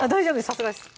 さすがです